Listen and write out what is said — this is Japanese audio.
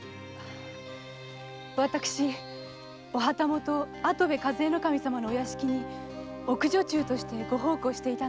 私お旗本・跡部主計頭様の屋敷に奥女中として奉公していました。